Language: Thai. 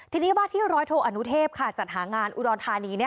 ทีนี้ว่าที่ร้อยโทอนุเทพจัดหางานอุดรธานี